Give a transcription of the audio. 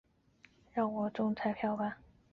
游戏中的地形环境可以被玩家破坏。